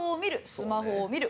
「スマホを見る」